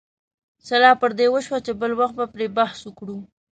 سلا پر دې وشوه چې بل وخت به پرې بحث وکړو.